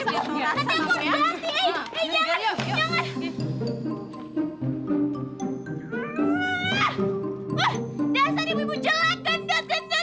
nanti aku akan berhenti eh jangan jangan